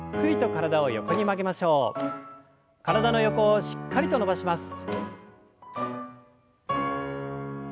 体の横をしっかりと伸ばします。